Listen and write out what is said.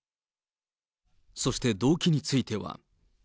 そして動機については。